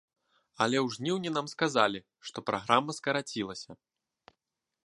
Але ў жніўні нам сказалі, што праграма скарацілася.